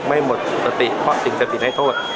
ไม่หมดสติพ่อสิ่งสติในโทษ